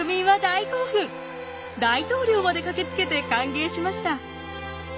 大統領まで駆けつけて歓迎しました。